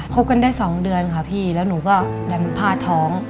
บกันได้สองเดือนค่ะพี่แล้วหนูก็ดันผ้าท้อง